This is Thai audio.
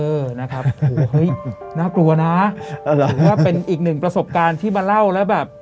เออนะครับโอ้โหเฮ้ยน่ากลัวนะว่าเป็นอีกหนึ่งประสบการณ์ที่มาเล่าแล้วแบบ